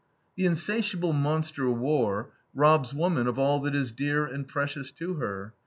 The insatiable monster, war, robs woman of all that is dear and precious to her.